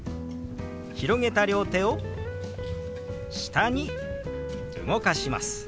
広げた両手を下に動かします。